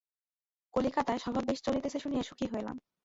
কলিকাতায় সভা বেশ চলিতেছে শুনিয়া সুখী হইলাম।